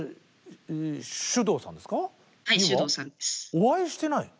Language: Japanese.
お会いしてない？